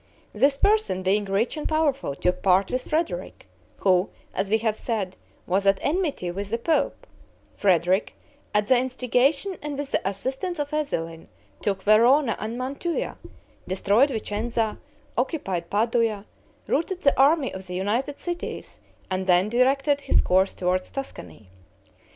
This person, being rich and powerful, took part with Frederick, who, as we have said, was at enmity with the pope; Frederick, at the instigation and with the assistance of Ezelin, took Verona and Mantua, destroyed Vicenza, occupied Padua, routed the army of the united cities, and then directed his course towards Tuscany.